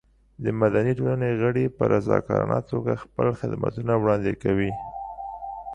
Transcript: د مدني ټولنې غړي په رضاکارانه توګه خپل خدمتونه وړاندې کوي.